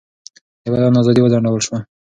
د بیان ازادي وځنډول شوه.